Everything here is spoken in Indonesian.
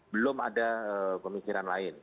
belum ada pemikiran lain